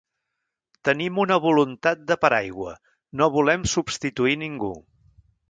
Tenim una voluntat de paraigua, no volem substituir ningú.